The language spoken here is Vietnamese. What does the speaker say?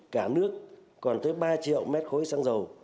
cả nước còn tới ba triệu mét khối xăng dầu